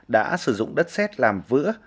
đã sử dụng đất xét làm vữa